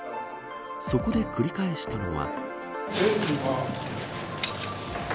そこで繰り返したのは。